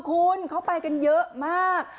คุณเขาไปกันเยอะมาก